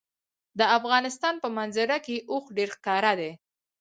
د افغانستان په منظره کې اوښ ډېر ښکاره دی.